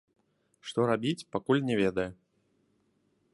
Што рабіць, пакуль не ведае.